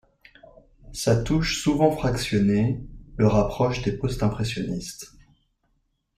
Sa touche souvent fractionnée le rapproche des postimpressionnistes.